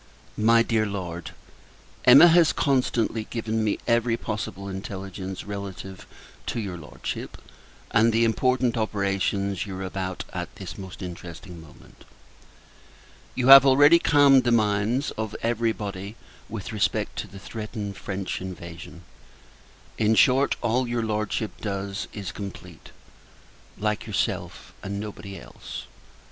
MY DEAR LORD, Emma has constantly given me every possible intelligence relative to your Lordship, and the important operations you are about at this most interesting moment. You have already calmed the minds of every body with respect to the threatened French invasion. In short, all your Lordship does is complete; like yourself, and nobody else.